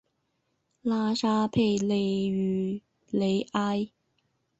拉沙佩勒于雷埃。